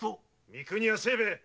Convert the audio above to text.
・三国屋清兵衛。